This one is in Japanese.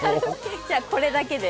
じゃあこれだけで。